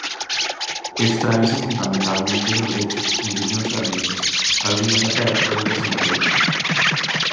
Extráense fundamentalmente berberechos, mexillóns e ameixas, algunhas a pé e outras en batea.